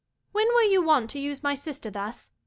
When were you wont to use my sister thus?